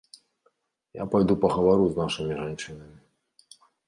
Я пайду пагавару з нашымі жанчынамі.